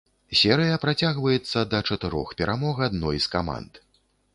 Серыя працягваецца да чатырох перамог адной з каманд.